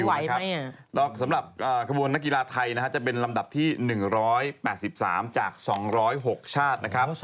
แล้วสำหรับกระบวนนักกีฬาไทยจะเป็นลำดับที่๑๘๓จาก๒๐๖ชาติ